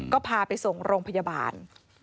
ก็พาไปส่งโรงพยาบาล